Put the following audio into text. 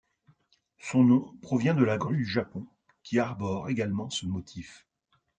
Son nom provient de la grue du Japon, qui arbore également ce motif.